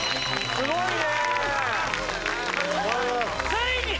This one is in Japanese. すごいな。